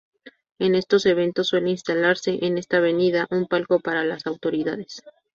En estos eventos, suele instalarse en esta avenida un palco para las autoridades.